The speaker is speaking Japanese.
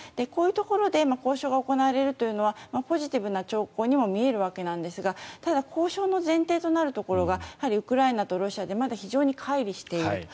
こういうところで交渉が行われるというのはポジティブな兆候にも見えるんですがただ交渉の前提となるところがウクライナとロシアで非常にかい離している。